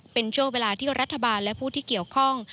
เป็นช่วงเวลาที่รัฐบาลและผู้ที่เกี่ยวข้อง